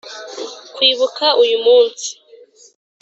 kwibuka uyu munsi.